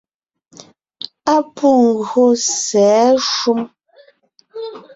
Á pû gÿô sɛ̌ shúm.